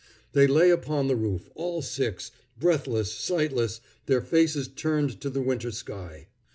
They lay upon the roof, all six, breathless, sightless, their faces turned to the winter sky.